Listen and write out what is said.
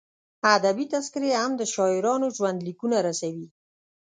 ادبي تذکرې هم د شاعرانو ژوندلیکونه رسوي.